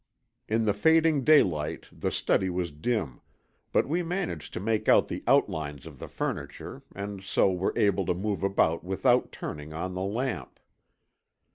In the fading daylight the study was dim, but we managed to make out the outlines of the furniture, and so were able to move about without turning on the lamp.